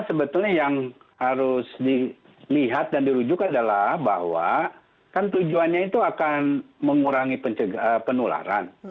sebetulnya yang harus dilihat dan dirujuk adalah bahwa kan tujuannya itu akan mengurangi penularan